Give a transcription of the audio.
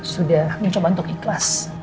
sudah mencoba untuk ikhlas